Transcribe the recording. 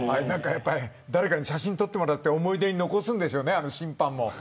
誰かに写真を撮ってもらって思い出に残すんでしょうね。